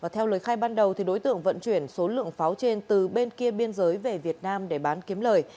theo lời khai ban đầu đối tượng vận chuyển số lượng pháo trên từ bên kia biên giới về việt nam để bán kiếm lời